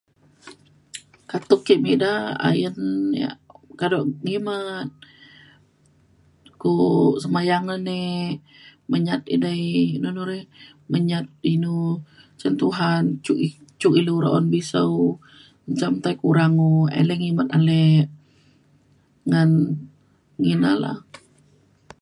katuk ke me ida ayen ia' kado ngimet ko semayang ne ney menyat edei nu nu rei menyat inu cin Tuhan cuk cuk ilu be'un bisou njam tai kurang ngu eleng ngimet alek ngan ngina la